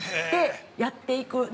で、やっていく。